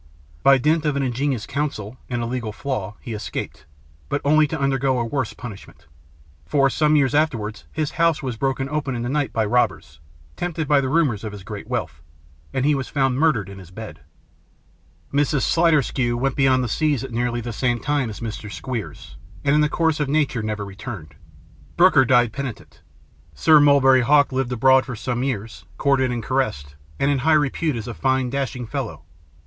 By dint of an ingenious counsel, and a legal flaw, he escaped; but only to undergo a worse punishment; for, some years afterwards, his house was broken open in the night by robbers, tempted by the rumours of his great wealth, and he was found murdered in his bed. Mrs. Sliderskew went beyond the seas at nearly the same time as Mr Squeers, and in the course of nature never returned. Brooker died penitent. Sir Mulberry Hawk lived abroad for some years, courted and caressed, and in high repute as a fine dashing fellow.